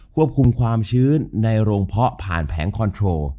ควบคุมความชื้นในโรงเพาะผ่านแผงคอนโทร